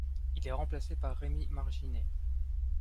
Il est remplacé par Rémy Marginet.